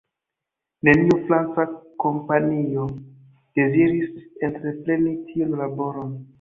Neniu franca kompanio deziris entrepreni tiun laboron.